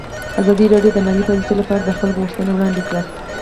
ازادي راډیو د مالي پالیسي لپاره د خلکو غوښتنې وړاندې کړي.